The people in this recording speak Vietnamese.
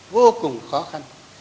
vô cùng khó khăn